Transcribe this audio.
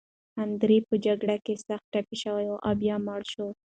اندرې په جګړه کې سخت ټپي شو او بیا مړ شو.